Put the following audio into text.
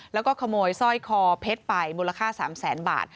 แล้วก็ขโมยสร้อยคอเพชรไปมูลค่า๓แสนบาท